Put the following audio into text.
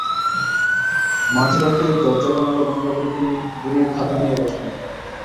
মাঝরাতে দরজা-জানালা বন্ধ করে তিনি বুড়ির খাতা নিয়ে বসলেন।